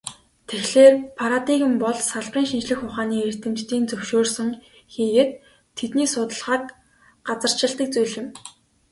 Тэгэхлээр, парадигм бол салбар шинжлэх ухааны эрдэмтдийн зөвшөөрсөн хийгээд тэдний судалгааг газарчилдаг зүйл юм.